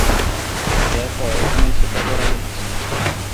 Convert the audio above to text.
দেখো, এখনই সেটা করা হচ্ছে।